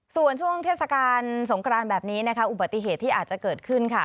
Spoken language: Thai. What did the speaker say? ส่วนช่วงเทศกาลสงครานแบบนี้นะคะอุบัติเหตุที่อาจจะเกิดขึ้นค่ะ